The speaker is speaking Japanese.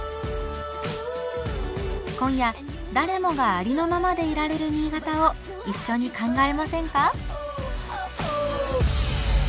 今夜誰もがありのままでいられる新潟を一緒に考えませんか？